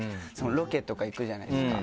ロケとか行くじゃないですか。